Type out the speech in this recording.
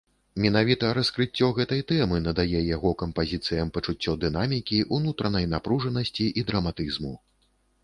Менавіта раскрыццё гэтай тэмы надае яго кампазіцыям пачуццё дынамікі, унутранай напружанасці і драматызму.